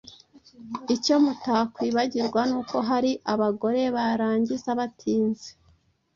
Icyo mutakwibagirwa n’uko hari abagore barangiza batinze